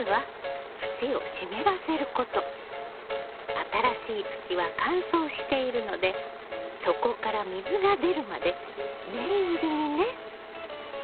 新しい土は乾燥しているので底から水が出るまで念入りにね。